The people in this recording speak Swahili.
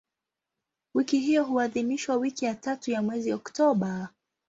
Wiki hiyo huadhimishwa wiki ya tatu ya mwezi Oktoba.